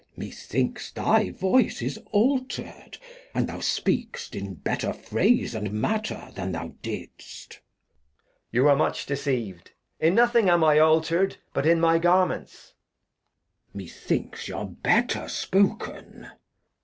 Methinks thy Voice is alter'd, and thou speak'st In better Phrase and Matter than thou didst. Edg. You are much deceiv'd, in nothing am I alter'd But in my Garments. Glost. Methinks y'are better spoken.